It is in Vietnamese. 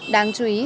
đáng chú ý